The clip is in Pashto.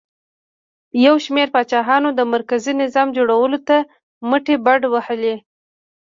یو شمېر پاچاهانو د مرکزي نظام جوړولو ته مټې بډ وهلې